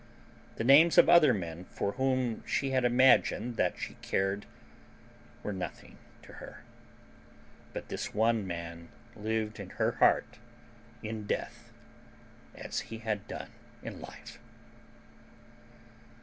The names of other men for whom she had imagined that she cared were nothing to her. But this one man lived in her heart in death as he had done in life.